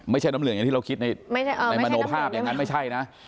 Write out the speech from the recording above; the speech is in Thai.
ไม่ใช่น้ำเหลืองอย่างที่เราคิดในมโนภาพอย่างนั้นไม่ใช่นะ